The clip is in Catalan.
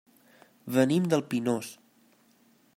Venim del Pinós.